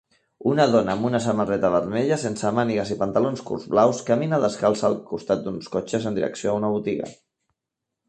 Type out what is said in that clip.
Una dona amb una samarreta vermella sense mànigues i pantalons curts blaus camina descalça al costat d'uns cotxes en direcció a una botiga